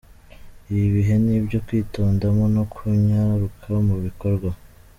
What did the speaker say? Ibi bihe ni ibyo kwitondamo no kunyaruka mu bikorwa.